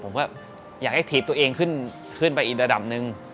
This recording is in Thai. ผมก็อยากให้ถีบตัวเองขึ้นไปอีกระดับหนึ่ง